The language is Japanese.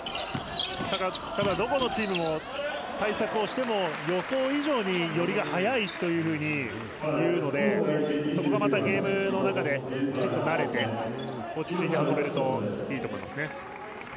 ただ、どこのチームも対策をしても予想以上に寄りが早いというのでそこがまたゲームの中できちんと慣れて落ち着いて運べるといいと思いますね。